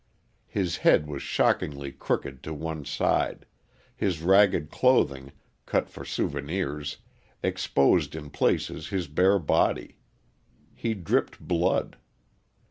His head was shockingly crooked to one side, his ragged clothing, cut for souvenirs, exposed in places his bare body: he dripped blood.